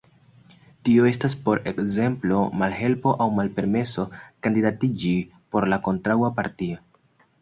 Tio estas por ekzemplo malhelpo aŭ malpermeso kandidatiĝi por la kontraŭa partio.